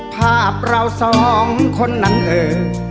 ภาพเราสองคนนั้นเอ่ย